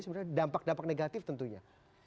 sebenarnya dampak dampak negatif tentunya